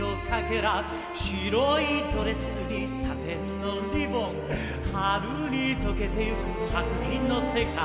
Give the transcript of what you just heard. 「白いドレスにサテンのリボン」「春にとけてゆく白銀の世界」